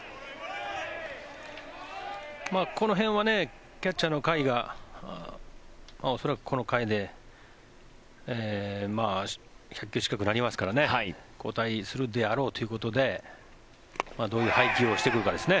この辺はキャッチャーの甲斐が恐らく、この回で１００球近くになりますから交代するであろうということでどういう配球をしてくるかですね。